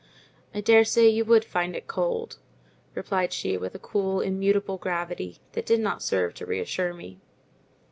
"I daresay you would find it cold," replied she with a cool, immutable gravity that did not serve to reassure me.